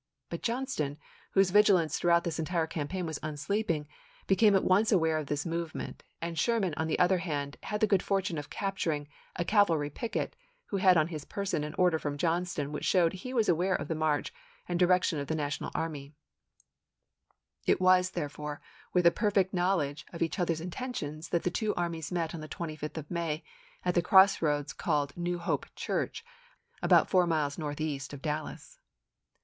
But Johnston, whose vigilance throughout this entire campaign was unsleeping, became at once aware of this movement, and Sher man, on the other hand, had the good fortune of capturing a cavalry picket who had on his person an order from Johnston which showed he was aware of the march and direction of the Na tional army ; and it was, therefore, with a perfect knowledge of each other's intentions that the two 1864 armies met on the 25th of May at the cross roads called New Hope Church, about four miles north east of Dallas.